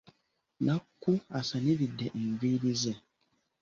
Nakku asaniridde enviiri ze.